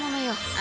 あ！